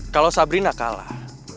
kalau sabrina kalah